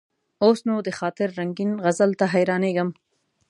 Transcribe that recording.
اوس نو: د خاطر رنګین غزل ته حیرانېږم.